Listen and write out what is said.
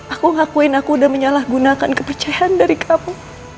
aku ngakuin aku udah menyalahgunakan kepercayaan dari kamu